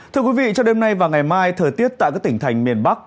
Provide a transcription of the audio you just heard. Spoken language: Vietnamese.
thưa quý vị trong đêm nay và ngày mai thời tiết tại các tỉnh thành miền bắc